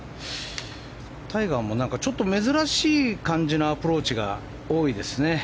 タイガーも、ちょっと珍しい感じのアプローチが多いですね。